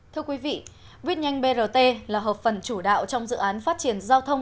thưa quý vị vít nhanh brt là hợp phần chủ đạo trong dự án phát triển giao thông